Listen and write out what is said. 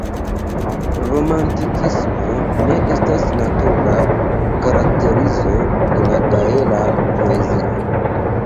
Romantikismo ne estas natura karakterizo de la gaela poezio.